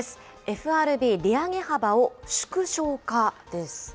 ＦＲＢ、利上げ幅を縮小かです。